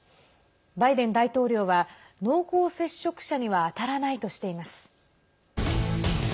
バイデン大統領は濃厚接触者には当たらないとしています。